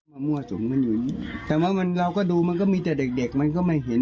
มั่วสุมกันอยู่อย่างงี้แต่ว่ามันเราก็ดูมันก็มีแต่เด็กเด็กมันก็ไม่เห็น